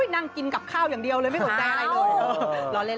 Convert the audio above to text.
นั่งกินกับข้าวอย่างเดียวเลยไม่สนใจอะไรเลย